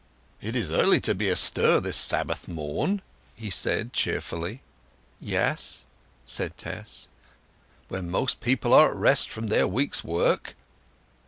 "It is early to be astir this Sabbath morn!" he said cheerfully. "Yes," said Tess. "When most people are at rest from their week's work."